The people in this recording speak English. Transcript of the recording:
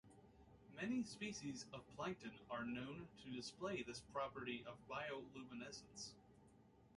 Many species of plankton are known to display this property of bioluminescence.